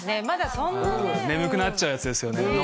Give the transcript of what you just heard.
まだそんなね眠くなっちゃうやつですよね